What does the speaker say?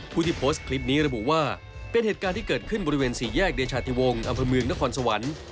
ผู้ที่โพสต์คลิปนี้ระบุว่าเป็นเหตุการณ์ที่เกิดขึ้นบริเวณสี่แยกเดชาติวงศ์อำเภอเมืองนครสวรรค์